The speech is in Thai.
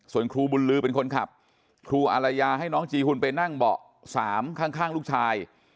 ส่วนครูบุญลือเป็นคนขับครูอารยาให้น้องจีหุ่นไปนั่งเบาะ๓ข้างลูกชาย